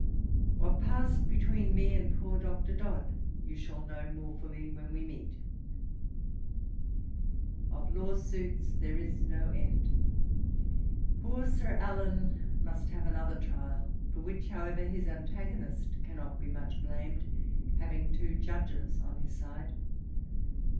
'What passed between me and poor Dr. Dodd you shall know more fully when we meet. 'Of lawsuits there is no end; poor Sir Allan must have another trial, for which, however, his antagonist cannot be much blamed, having two Judges on his side.